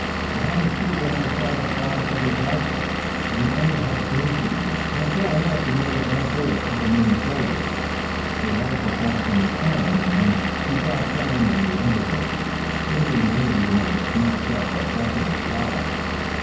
"I had to shoot when I saw the flash of his rifle, and I had only a glimpse of him. But I saw enough to know that my bullet took him in the shoulder. His rifle fell from his hand, and then he dropped down in the underbrush, thinking one of you might snatch up a weapon and fire.